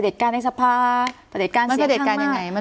เผด็จการแรงศาภาปเตตการเสียงข้างมาก